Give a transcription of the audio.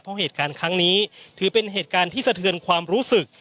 เพราะเหตุการณ์ครั้งนี้ถือเป็นเหตุการณ์ที่สะเทือนความรู้สึก